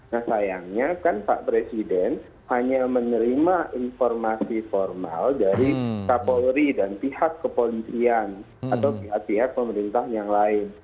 nah sayangnya kan pak presiden hanya menerima informasi formal dari kapolri dan pihak kepolisian atau pihak pihak pemerintah yang lain